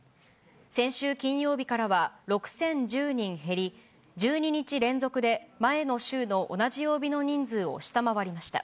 先週金曜日からは６０１０人減り、１２日連続で前の週の同じ曜日の人数を下回りました。